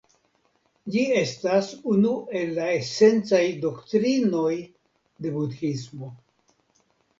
Ĝi estas unu el la esencaj doktrinoj de Budhismo.